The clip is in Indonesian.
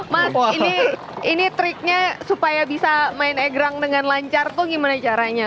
mas ini triknya supaya bisa main egrang dengan lancar tuh gimana caranya